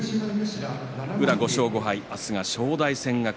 宇良は５勝５敗明日は正代戦。